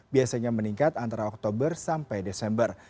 biasanya meningkat antara oktober sampai desember